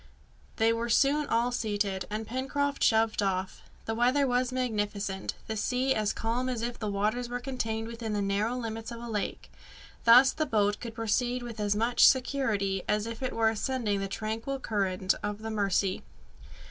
They were soon all seated, and Pencroft shoved off. The weather was magnificent, the sea as calm as if its waters were contained within the narrow limits of a lake. Thus the boat could proceed with as much security as if it was ascending the tranquil current of the Mercy.